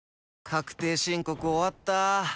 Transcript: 確定申告終わった。